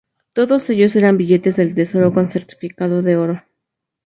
Todos ellos eran billetes del tesoro con certificado de oro.